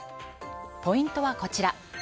ポイントはこちら。